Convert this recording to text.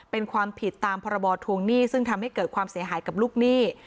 เป็นความผิดตามพรบทวงหนี้ซึ่งทำให้เกิดความเสียหายกับลูกหนี้